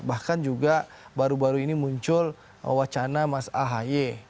bahkan juga baru baru ini muncul wacana mas ahaye